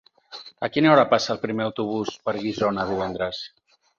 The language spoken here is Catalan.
A quina hora passa el primer autobús per Guissona divendres?